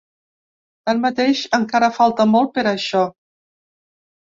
Tanmateix, encara falta molt, per això.